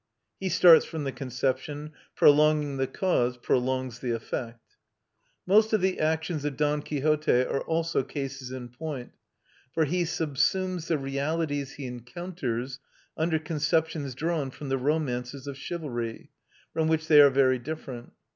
He starts from the conception, "Prolonging the cause prolongs the effect." Most of the actions of Don Quixote are also cases in point, for he subsumes the realities he encounters under conceptions drawn from the romances of chivalry, from which they are very different.